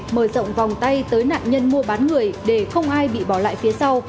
mở rộng vòng tay tới nạn nhân mua bán người để không ai bị bỏ lại phía sau